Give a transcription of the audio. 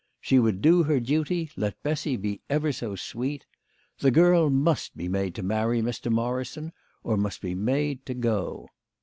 She would do her duty, let Bessy be ever so sweet. The girl must be made to marry Mr. Morrison or must be made to go.